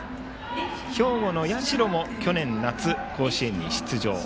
兵庫の社も去年夏、甲子園に出場。